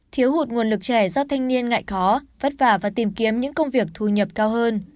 thiếu hụt nguồn lực trẻ do thanh niên ngại khó vất vả và tìm kiếm những công việc thu nhập cao hơn